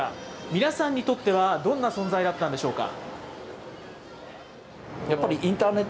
皆さんにとっては、どんな存在だったんでしょうか。